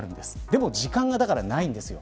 でも時間がないんです。